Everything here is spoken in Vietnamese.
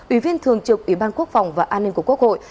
ủy viên thường trực ủy ban quốc phòng và an ninh của quốc hội